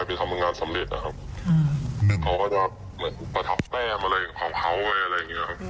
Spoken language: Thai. ไปทำงานสำเร็จนะครับอืมเขาก็จะแบบอะไรอะไรอย่างเงี้ยครับ